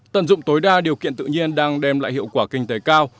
tận dụng tối đa điều kiện tự nhiên đang đem lại hiệu quả kinh tế cao